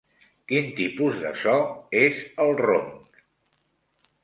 Quin tipus de so és el ronc?